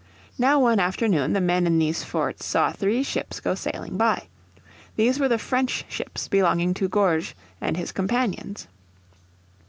Now one afternoon the men in these forts saw three ships go sailing by. These were the French ships bringing Gourges and his companions.